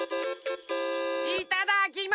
いただきま。